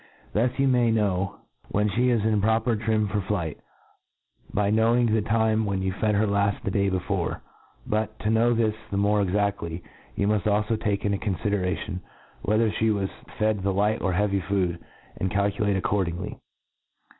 Thus you may knpw when (he is in proper trim for flight, by , knowing the time when you fed her lafl: the day '.'before ; but, to know this the more exaftly, you muft alfo take into confideration, whether (he was fed with light or heavy food, and calculate accordingly.